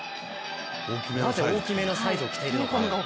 なぜ大きめのサイズを着ているのか。